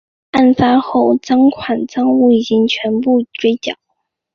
案发后赃款赃物已全部追缴。